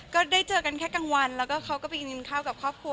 ก็ได้เจอกันแค่กลางวันแล้วก็เขาก็ไปกินข้าวกับครอบครัว